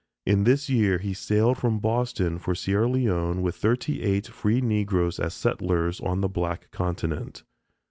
In this year he sailed from Boston for Sierra Leone with thirty eight free Negroes as settlers on the Black Continent.